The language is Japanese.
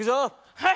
はい！